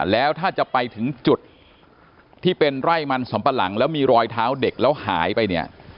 แล้วถ้าจะไปถึงจุดที่เป็นไร่มันสำปะหลังแล้วมีรอยเท้าเด็กแล้วหายไปเนี่ย